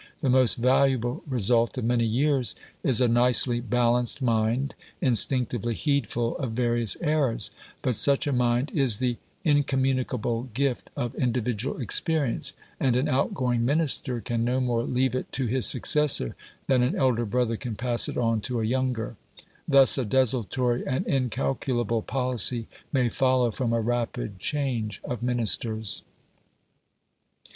The most valuable result of many years is a nicely balanced mind instinctively heedful of various errors; but such a mind is the incommunicable gift of individual experience, and an outgoing Minister can no more leave it to his successor, than an elder brother can pass it on to a younger. Thus a desultory and incalculable policy may follow from a rapid change of Ministers.